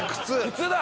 靴だ！